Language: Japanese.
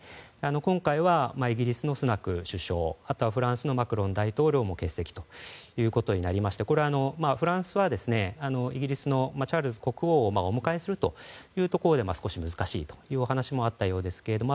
今回は、イギリスのスナク首相フランスのマクロン大統領も欠席となりましてこれはフランスはイギリスのチャールズ国王をお迎えするということで少し難しいという話もあったようですけれども。